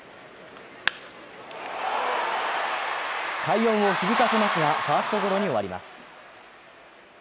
快音を響かせますがファーストゴロに終わります。